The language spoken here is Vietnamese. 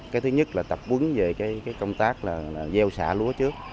cái thứ nhất là tập quấn về công tác gieo xả lúa trước